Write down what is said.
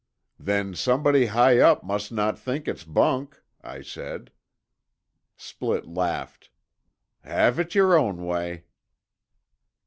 "Then somebody high up must not think it's bunk," I said. Splitt laughed. "Have it your own way."